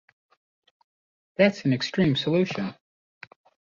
That's an extreme solution.